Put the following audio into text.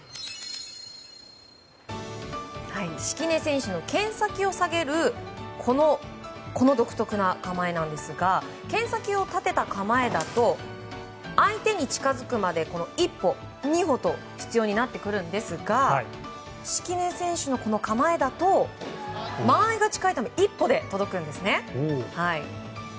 敷根選手の剣先を下げるこの独特な構えなんですが剣先を立てた構えだと相手に近づくまで１歩、２歩と必要になってきますが敷根選手の、この構えだと間合いが近いので１歩で届くんですね。